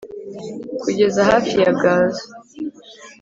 kugeza hafi ya gaza